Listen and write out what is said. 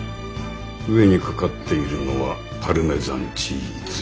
上にかかっているのはパルメザンチーズ？